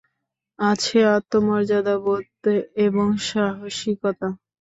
আছে আত্মমর্যাদাবোধ এবং সাহসিকতা।